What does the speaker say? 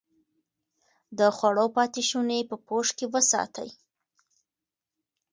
د خوړو پاتې شوني په پوښ کې وساتئ.